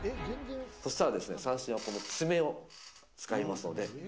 そしたら三線はこの爪を使いますので。